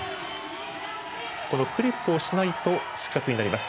このクリップをしないと失格になります。